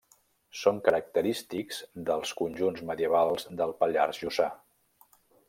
Són característics dels conjunts medievals del Pallars Jussà.